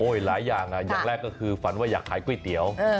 หลายอย่างอย่างแรกก็คือฝันว่าอยากขายก๋วยเตี๋ยว